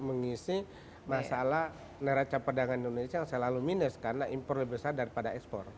mengisi masalah neraca perdagangan indonesia yang selalu minus karena impor lebih besar daripada ekspor